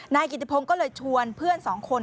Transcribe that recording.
นายกิติพงศ์ก็เลยชวนเพื่อนสองคน